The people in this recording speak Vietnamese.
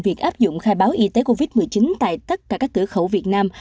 việc áp dụng khai báo y tế covid một mươi chín tại tất cả các cửa khẩu việt nam